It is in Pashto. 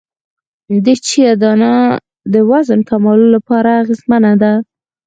د چیا دانه د وزن کمولو لپاره اغیزمنه ده